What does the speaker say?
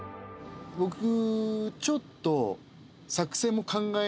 僕ちょっと